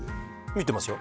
見てますよ